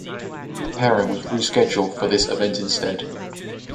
The pairing was rescheduled for this event instead.